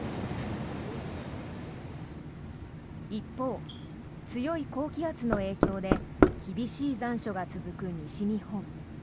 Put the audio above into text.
一方、強い高気圧の影響で厳しい残暑が続く西日本。